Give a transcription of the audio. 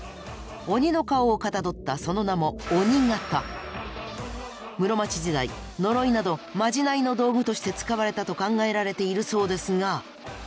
鬼の顔をかたどったその名も室町時代呪いなどまじないの道具として使われたと考えられているそうですが。